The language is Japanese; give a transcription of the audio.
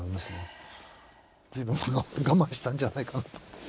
随分我慢したんじゃないかなと思って。